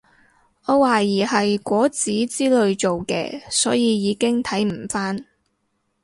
我懷疑係果籽之類做嘅所以已經睇唔返